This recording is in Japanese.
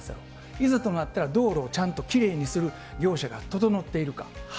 いざとなったら、道路をちゃんときれいにする業者が整っているか。